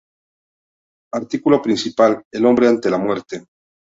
Artículo principal: El hombre ante la muerte.